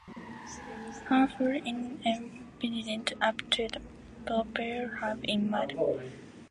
Her hull is embedded up to the propeller hub in mud.